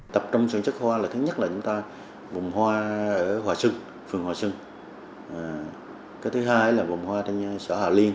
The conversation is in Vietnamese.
tập trung sản xuất hoa là thứ nhất là vùng hoa ở phường hòa sưng thứ hai là vùng hoa ở sở hà liên